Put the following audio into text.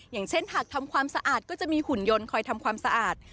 อย่างเช่นหากทำความสะอาดก็จะมีหุ่นยนต์คอยทำความสะอาด